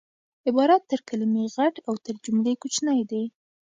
عبارت تر کلیمې غټ او تر جملې کوچنی دئ